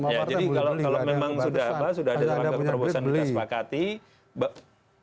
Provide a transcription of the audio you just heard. ya jadi kalau memang sudah apa sudah ada langkah terobosan kita sepakati